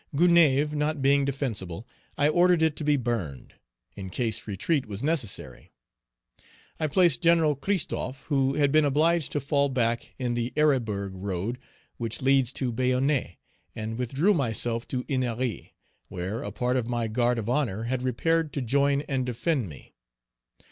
Gonaïves not being defensible, I ordered it to be burned, in case retreat was necessary. I placed Gen. Christophe, who had been obliged to fall back, in the Eribourg road, which leads to Bayonnet, and withdrew myself to Ennery, where a part of my guard of honor had repaired to join and defend me.